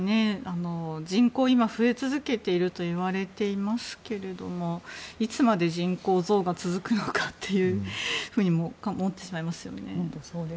人口は増え続けているといわれていますけれどもいつまで人口増が続くのかとも思ってしまいますよね。